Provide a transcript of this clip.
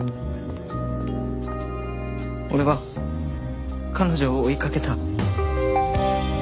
俺は彼女を追いかけた。